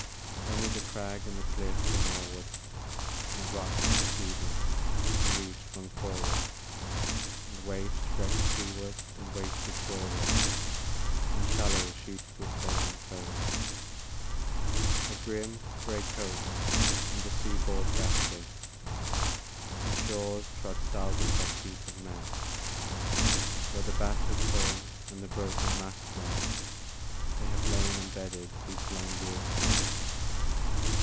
Only the crag and the cliff to nor'ward, And the rocks receding, and reefs flung forward, And waifs wreck'd seaward and wasted shoreward On shallows sheeted with flaming foam. A grim, grey coast and a seaboard ghastly, And shores trod seldom by feet of men Where the batter'd hull and the broken mast lie, They have lain embedded these long years ten.